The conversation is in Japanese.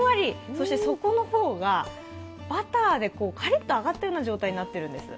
そして底の方がバターでカリッと揚がったような状態になっているんです。